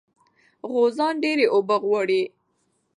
غوزان ډېرې اوبه غواړي.